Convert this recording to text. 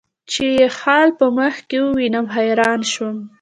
چې یې خال په مخ کې وینم، حیران شوم.